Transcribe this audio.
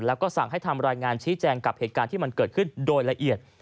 แล้วก็สั่งให้ทำรายงานชี้แจงกับเหตุการณ์ที่มันเกิดขึ้นโดยละเอียด